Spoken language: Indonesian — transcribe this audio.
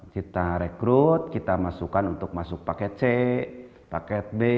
kita rekrut kita masukkan untuk masuk paket c paket b